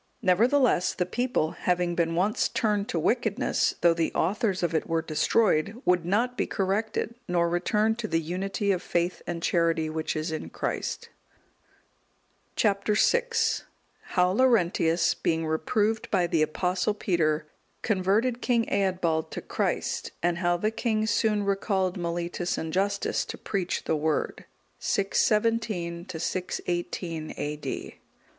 Nevertheless, the people, having been once turned to wickedness, though the authors of it were destroyed, would not be corrected, nor return to the unity of faith and charity which is in Christ. Chap. VI. How Laurentius, being reproved by the Apostle Peter, converted King Eadbald to Christ; and how the king soon recalled Mellitus and Justus to preach the Word. [617 618 A.D.